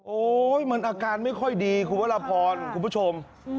มันอาการไม่ค่อยดีคุณพระราพรคุณผู้ชม